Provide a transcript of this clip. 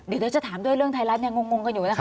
เดี๋ยวเราจะถามด้วยเรื่องไทรรัฐงงกันอยู่นะครับ